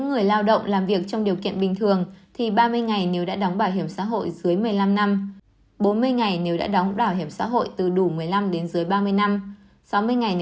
sáu mươi ngày nếu đã đóng bảo hiểm xã hội từ đủ ba mươi năm